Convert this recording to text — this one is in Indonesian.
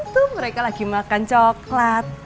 tuh mereka lagi makan coklat